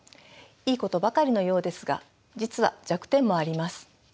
いいことばかりのようですが実は弱点もあります。